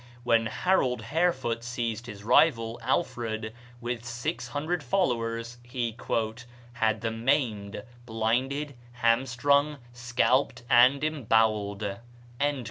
When Harold Harefoot seized his rival, Alfred, with six hundred followers, he "had them maimed, blinded, hamstrung, scalped, or embowelled."